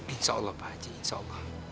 insya allah pak haji insya allah